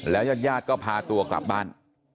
ยาดก็พาตัวกลับบ้าน